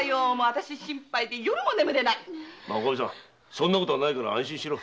そんなことはないから安心しろ。